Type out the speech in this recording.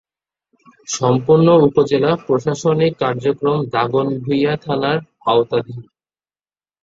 সম্পূর্ণ উপজেলা প্রশাসনিক কার্যক্রম দাগনভূঞা থানার আওতাধীন।